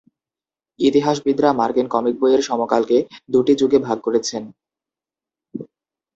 ইতিহাসবিদরা মার্কিন কমিক বইয়ের সময়কালকে দুটি যুগে ভাগ করেছেন।